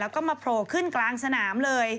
แล้วก็มาโผล่ขึ้นกลางสนามเลย